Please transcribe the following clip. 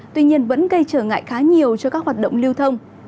tuy nhiên vẫn gây trở ngại khá nhiều cho các hoạt động lưu thông